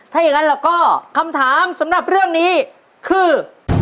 ถ้าอย่างนั้นแล้วก็คำถามสำหรับเรื่องนี้คือ